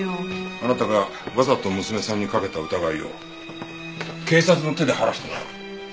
あなたがわざと娘さんにかけた疑いを警察の手で晴らしてもらう。